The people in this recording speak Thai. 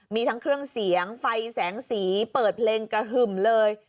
มีทั้งเครื่องเสียงไฟแสงสีเปิดเพลงกระหึ่มเลย